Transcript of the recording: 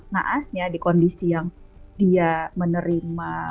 naasnya di kondisi yang dia menerima